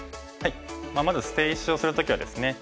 まず捨て石をする時はですね